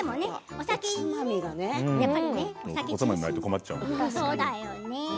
おつまみがないと困っちゃうからね。